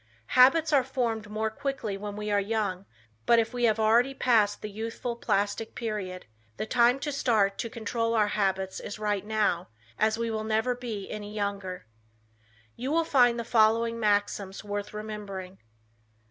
Habits are formed more quickly when we are young, but if we have already passed the youthful plastic period the time to start to control our habits is right now, as we will never be any younger. You will find the following maxims worth remembering.